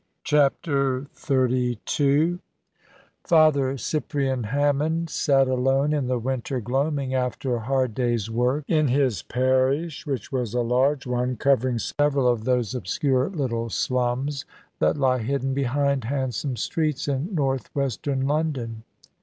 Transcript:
CHAPTER XXXII Father Cyprian Hammond sat alone in the winter gloaming after a hard day's work in his parish, which was a large one, covering several of those obscure little slums that lie hidden behind handsome streets in north western London.